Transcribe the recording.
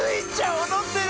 おどってる！